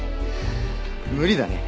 無理だね。